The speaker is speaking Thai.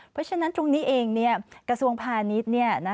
เพราะฉะนั้นตรงนี้เองกระทรวงพาณิชย์